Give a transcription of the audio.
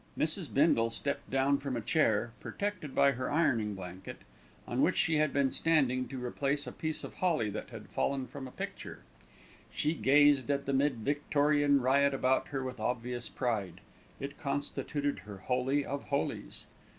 Mrs. Bindle stepped down from a chair, protected by her ironing blanket, on which she had been standing to replace a piece of holly that had fallen from a picture. She gazed at the mid Victorian riot about her with obvious pride; it constituted her holy of holies.